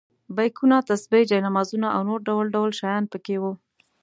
بیکونه، تسبیح، جاینمازونه او نور ډول ډول شیان په کې وو.